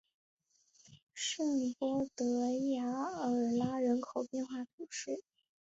圣波德雅尔拉人口变化图示